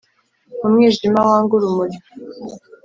umwijima wanga urumuri